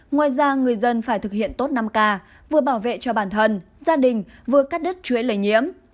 ngoài ra người dân phải thực hiện tốt năm k vừa bảo vệ cho bản thân gia đình vừa cắt đứt chuỗi lây nhiễm